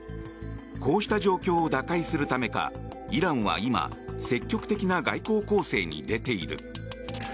こうした状況を打開するためかイランは今積極的な外交攻勢に出ている。